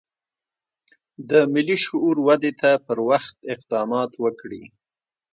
د ملي شعور ودې ته پر وخت اقدامات وکړي.